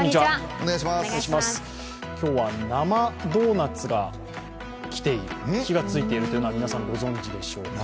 今日は生ドーナツがきている火がついているというのは皆さんご存じしょうか？